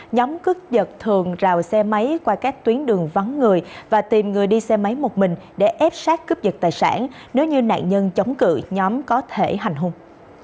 nhóm cướp giật thường rào xe máy qua các tuyến đường vắng người và tìm người đi xe máy một mình để ép sát cướp giật tài sản nếu như nạn nhân chống cự nhóm có thể hành hung